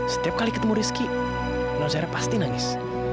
setiap kali ketemu rizky nozer pasti nangis